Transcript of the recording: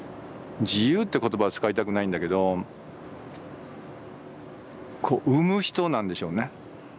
自由って言葉は使いたくないんだけどこう生む人なんでしょうね。